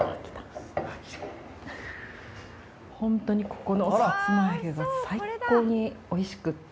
ホントにここのサツマ揚げが最高においしくって